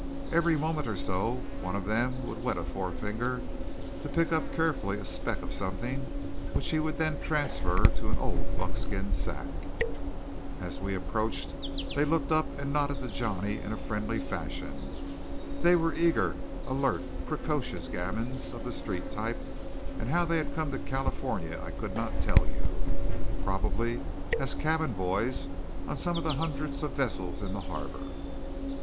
Every moment or so one of them would wet a forefinger to pick up carefully a speck of something which he would then transfer to an old buckskin sack. As we approached, they looked up and nodded to Johnny in a friendly fashion. They were eager, alert, precocious gamins, of the street type and how they had come to California I could not tell you. Probably as cabin boys of some of the hundreds of vessels in the harbour.